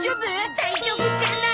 大丈夫じゃない。